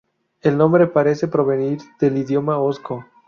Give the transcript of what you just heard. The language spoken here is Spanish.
El nombre parece provenir del idioma osco.